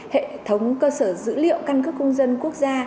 hệ thống cơ sở dữ liệu căn cước công dân quốc gia